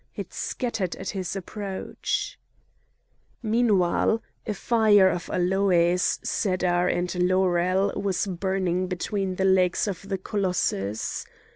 It scattered at his approach. Meanwhile a fire of aloes, cedar, and laurel was burning between the legs of the colossus.